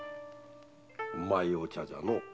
うまいお茶だのう。